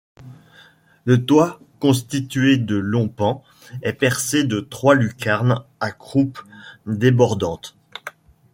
Le toit, constitué de longs pans, est percé de trois lucarnes à croupe débordante.